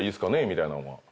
みたいなものは。